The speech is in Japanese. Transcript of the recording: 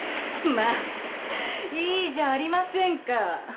まあいいじゃありませんか。